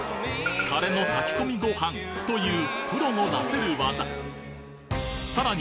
タレの炊き込みご飯というプロのなせる技さらに